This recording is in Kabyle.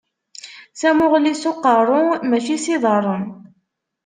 Tamuɣli s aqeṛṛu, mačči s iḍaṛṛen.